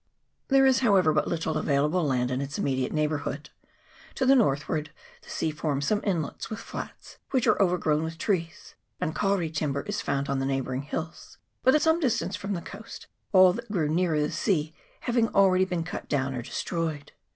There is, however, but little available land in its immediate neighbourhood : to the northward the sea forms some inlets with flats, which are over grown with trees ; and kauri timber is found on the neighbouring hills, but at some distance from CHAP. XV.] " THE BOYD." 237 the coast, all that grew nearer the sea having already been cut down or destroyed.